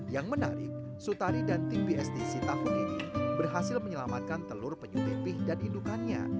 yang menarik sutari dan tim bstc tahun ini berhasil menyelamatkan telur penyu pipih dan indukannya